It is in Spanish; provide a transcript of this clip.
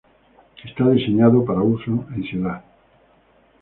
Está diseñado para uso en ciudad.